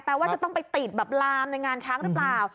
ว่าจะต้องไปติดแบบลามในงานช้างหรือเปล่า